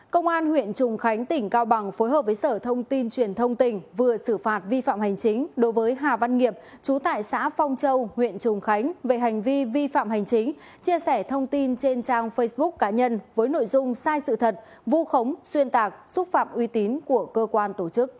công an huyện trùng khánh tỉnh cao bằng phối hợp với sở thông tin truyền thông tỉnh vừa xử phạt vi phạm hành chính đối với hà văn nghiệp chú tại xã phong châu huyện trùng khánh về hành vi vi phạm hành chính chia sẻ thông tin trên trang facebook cá nhân